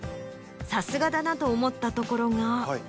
さすがだなと思ったところが。